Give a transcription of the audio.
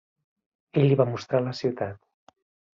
Ell li va mostrar la ciutat.